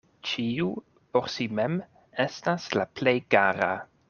Ĉiu por si mem estas la plej kara.